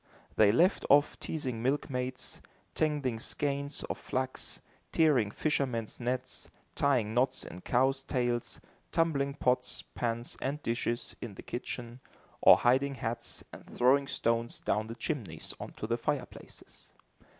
They left off teasing milkmaids, tangling skeins of flax, tearing fishermen's nets, tying knots in cows' tails, tumbling pots, pans and dishes, in the kitchen, or hiding hats, and throwing stones down the chimneys onto the fireplaces.